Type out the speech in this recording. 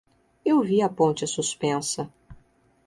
Eu vi a ponte suspensa.